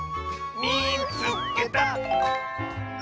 「みいつけた！」。